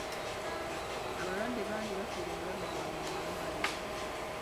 Abalwadde bangi bafiirwa obulamu bwabwe mu malwaliro.